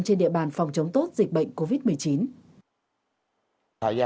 trên địa bàn phòng chống tốt dịch bệnh covid một mươi chín